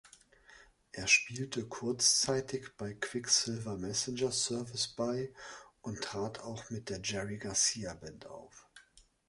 Er spielte kurzzeitig bei Quicksilver Messenger Service bei und trat auch mit der Jerry Garcia Band auf.